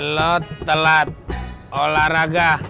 lot telat olahraga